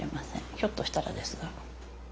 ひょっとしたらですが。